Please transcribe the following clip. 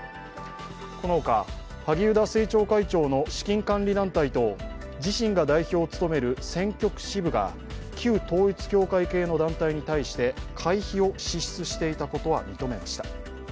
この他、萩生田政調会長の資金管理団体と自身が代表を務める選挙区支部が、旧統一教会系の団体に対して会費を支出していたことを認めました。